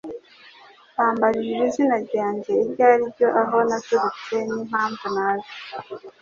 Bambajije izina ryanjye icyo ari cyo, aho naturutse, n'impamvu naje.